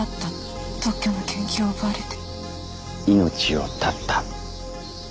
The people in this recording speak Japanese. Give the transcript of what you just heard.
命を絶った。